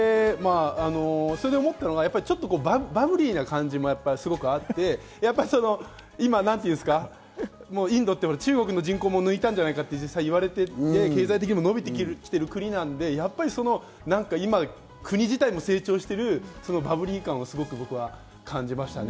それで思ったのが、ちょっとバブリーな感じもすごくあって、今インドって中国の人口も抜いたんじゃないかと言われていて、経済的にも伸びてきている国なので、国自体も成長しているバブリー感を僕はすごく感じましたね。